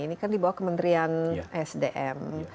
ini kan di bawah kementerian sdm